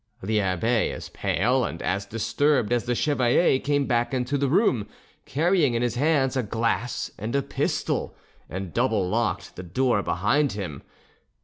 The abbe, as pale and as disturbed as the chevalier, came back into the room, carrying in his hands a glass and a pistol, and double locked the door behind him.